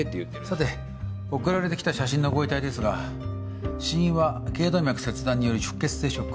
さて送られてきた写真のご遺体ですが死因は頸動脈切断による出血性ショック。